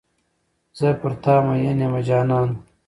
زه پر تا میین یمه جانانه.